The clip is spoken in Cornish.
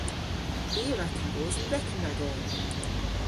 I a wra kavos an reken ragon.